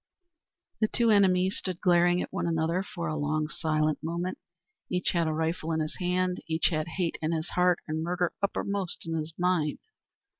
The two enemies stood glaring at one another for a long silent moment. Each had a rifle in his hand, each had hate in his heart and murder uppermost in his mind.